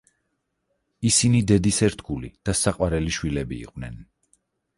ისინი დედის ერთგული და საყვარელი შვილები იყვნენ.